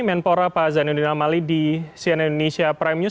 menpora pak zainuddin amali di cnn indonesia prime news